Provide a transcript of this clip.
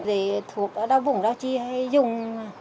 để thuộc đó vùng đâu chi hay dùng